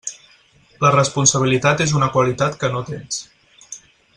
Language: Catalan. La responsabilitat és una qualitat que no tens.